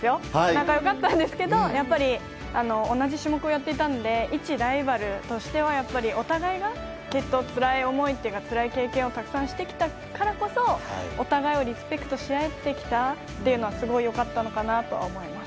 仲良かったんですけど同じ種目をやっていたのでいちライバルとしてはお互いがつらい思いというかつらい経験をたくさんしてきたからこそお互いをリスペクトし合ってきたことがすごい良かったのかなとは思います。